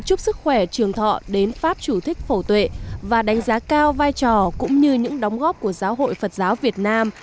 chúc sức khỏe trường thọ đến pháp chủ thích phổ tuệ và đánh giá cao vai trò cũng như những đóng góp của giáo hội phật giáo việt nam